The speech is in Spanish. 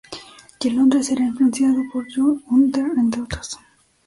Y en Londres será influenciado por John Hunter entre otros.